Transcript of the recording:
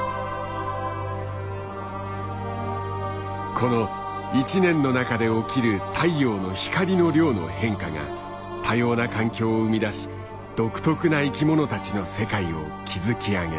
この１年の中で起きる太陽の光の量の変化が多様な環境を生み出し独特な生きものたちの世界を築き上げた。